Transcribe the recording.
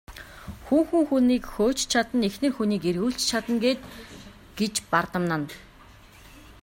Хүүхэн хүнийг хөөж ч чадна, эхнэр хүнийг эргүүлж ч чадна гээд гэж бардамнана.